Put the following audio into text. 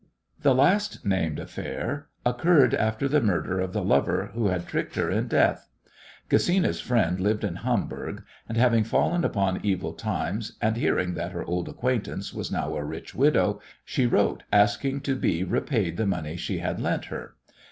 The last named affair occurred after the murder of the lover who had tricked her in death. Gesina's friend lived in Hamburg, and, having fallen upon evil times, and hearing that her old acquaintance was now a rich widow, she wrote asking to be repaid the money she had lent her.